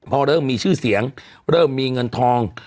พอเริ่มมีชื่อเสียงเริ่มมีเงินทอง